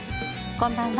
こんばんは。